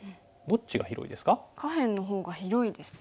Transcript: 下辺の方が広いですよね。